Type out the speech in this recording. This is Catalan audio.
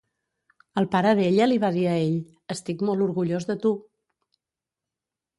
El pare d'ella li va dir a ell: "Estic molt orgullós de tu!"